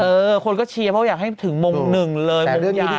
เออคนก็เชียร์เพราะว่าอยากให้ถึงมุมหนึ่งเลยมุมใหญ่